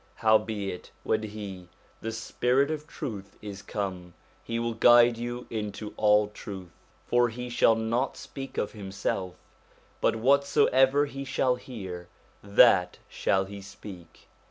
Howbeit when he, the Spirit of Truth, is come, he will guide you into all truth : for he shall not speak of himself ; but whatso ever he shall hear, that shall he speak.'